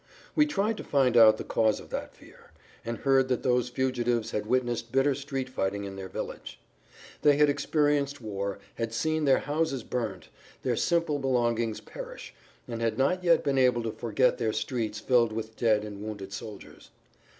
We tried to find out the cause of that fear, and heard that those fugitives had witnessed bitter street fighting in their village. They had experienced war, had seen their houses burnt, their simple belongings perish,[Pg 13] and had not yet been able to forget their streets filled with dead and wounded soldiers.